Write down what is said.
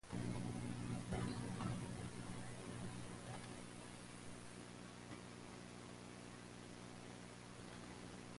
After reaching Quorn, work moved ahead to extend the second track to Loughborough.